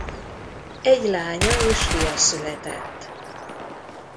Egy lánya és fia született.